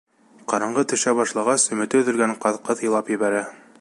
Ҡараңғы төшә башлағас, өмөтө өҙөлгән ҡаҙ-ҡыҙ илап ебәрә.